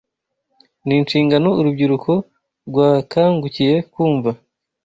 ni inshingano urubyiruko rwakangukiye kumva